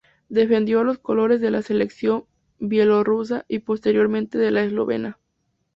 Defendió los colores de la selección bielorrusa y posteriormente de la eslovena.